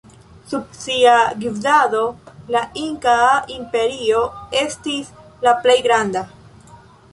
Sub sia gvidado la inkaa imperio estis la plej granda.